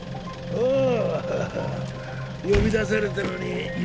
ああ！